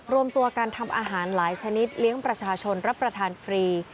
รวมตัวการทำอาหารหลายชนิดเลี้ยงประชาชนรับประทานฟรี